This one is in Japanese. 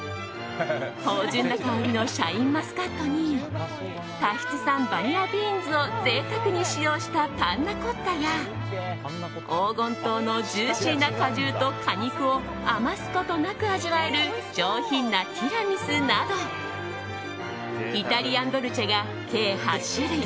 芳醇な香りのシャインマスカットにタヒチ産バニラビーンズを贅沢に使用したパンナ・コッタや黄金桃のジューシーな果汁と果肉を余すことなく味わえる上品なティラミスなどイタリアンドルチェが計８種類。